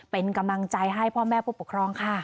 เป็นกำลังใจให้พ่อแม่ผู้ปกครองค่ะ